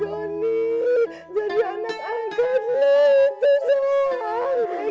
jadi anak angkatnya